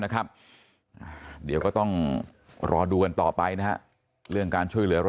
นะครับเดี๋ยวก็ต้องรอดูกันต่อไปนะฮะเรื่องการช่วยเหลือ